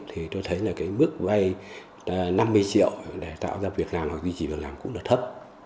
thì tôi thấy là cái mức vay năm mươi triệu để tạo ra việc làm hoặc duy trì việc làm cũng là thấp